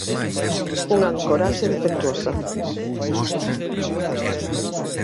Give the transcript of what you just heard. Unha ancoraxe defectuosa.